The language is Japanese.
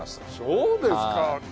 そうですか。